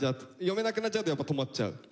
読めなくなっちゃうとやっぱ止まっちゃう？